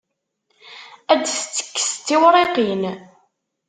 Ad d-tettekkes d tiwriqin.